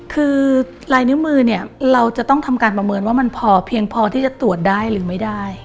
คือลายนิ้วมือเนี่ยเราจะต้องทำการประเมินว่ามันพอเพียงพอที่จะตรวจได้หรือไม่ได้